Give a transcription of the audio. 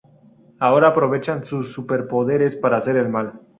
Ahora aprovechan sus superpoderes para hacer el mal.